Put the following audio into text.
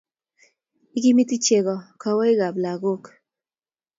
Ikimiti chego kowoikab lagok